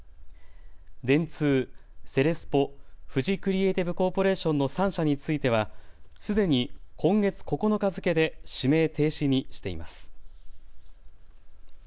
電通、セレスポ、フジクリエイティブコーポレーションの３社についてはすでに今月９日付けで指名停止にしています。